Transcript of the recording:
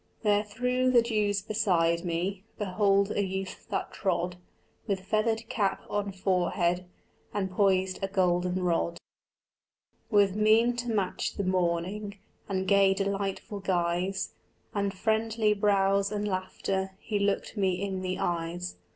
There through the dews beside me Behold a youth that trod, With feathered cap on forehead, And poised a golden rod. With mien to match the morning And gay delightful guise And friendly brows and laughter He looked me in the eyes.